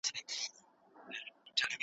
بشري قوانین د خلګو لخوا جوړ سوي دي.